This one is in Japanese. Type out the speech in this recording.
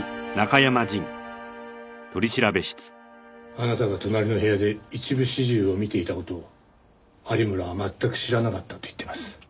あなたが隣の部屋で一部始終を見ていた事を有村は全く知らなかったと言っています。